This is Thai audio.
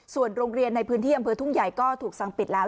ส่วนโรงเรียนในพื้นที่อำเภอทุ่งใหญ่ก็ถูกสั่งปิดแล้ว